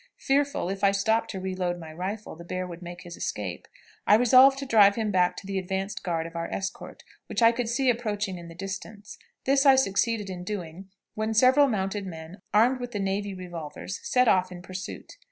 Fearful, if I stopped to reload my rifle, the bear would make his escape, I resolved to drive him back to the advanced guard of our escort, which I could see approaching in the distance; this I succeeded in doing, when several mounted men, armed with the navy revolvers, set off in pursuit.